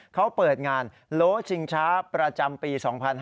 เขาเปิดงานโลชิงช้าประจำปี๒๕๕๙